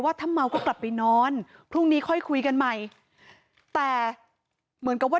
ถ้าเมาก็กลับไปนอนพรุ่งนี้ค่อยคุยกันใหม่แต่เหมือนกับว่า